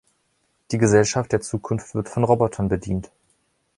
Die Gesellschaft der Zukunft wird von Robotern bedient.